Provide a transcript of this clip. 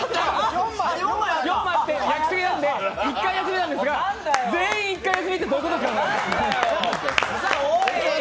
焼きすぎなので１回休みなんですが全員１回休みってどういうことですか？